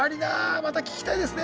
また聴きたいですね。